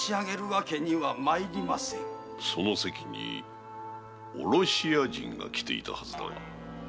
その席にオロシヤ人が来ていたはずだが？